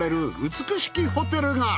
美しきホテルが。